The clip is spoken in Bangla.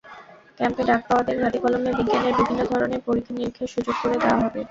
ক্যাম্পে ডাক পাওয়াদের হাতে-কলমে বিজ্ঞানের বিভিন্ন ধরনের পরীক্ষা-নিরীক্ষার সুযোগ করে দেওয়া হবে।